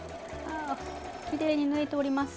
きれいに縫えております。